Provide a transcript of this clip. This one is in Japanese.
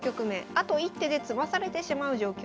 あと一手で詰まされてしまう状況です。